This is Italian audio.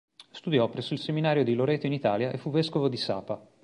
Studiò presso il Seminario di Loreto in Italia e fu vescovo di Sapa.